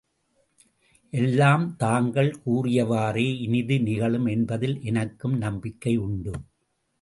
எல்லாம் தாங்கள் கூறியவாறே இனிது நிகழும் என்பதில் எனக்கும் நம்பிக்கை உண்டு.